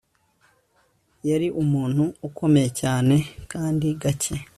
yari umuntu ukomeye cyane kandi gake